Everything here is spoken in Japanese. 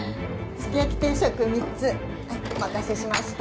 すき焼き定食３つはいお待たせしました。